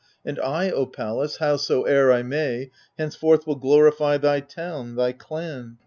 And I, O Pallas, hows oever I may . Henceforth will glorify thy town, thy clan.